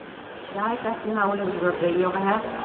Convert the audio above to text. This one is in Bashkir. Ярай Тәслимә үлеп өлгөрҙө, юғиһә...